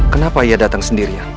kenapa ia datang sendirian